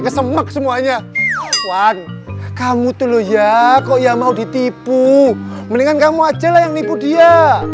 kesemak semuanya wan kamu tuh ya kok ya mau ditipu mendingan kamu aja lah yang nipu dia